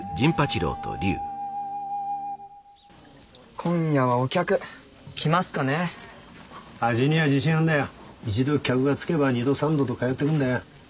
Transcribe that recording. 今夜はお客来ますかねぇ味には自信あんだよ一度客がつけば二度三度と通ってくんだよ